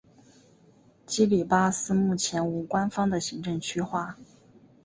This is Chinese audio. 基里巴斯目前无官方的行政区划。